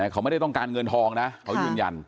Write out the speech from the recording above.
เขาไม่ได้ต้องการเงินทองนะ